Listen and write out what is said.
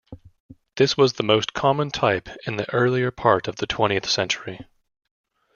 This was the most common type in the earlier part of the twentieth century.